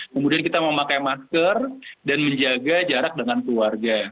kemudian kita memakai masker dan menjaga jarak dengan keluarga